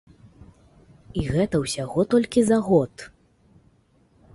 І гэта ўсяго толькі за год!